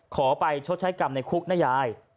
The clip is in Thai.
ขอไปชดใช้กรรมในคุกนะยาย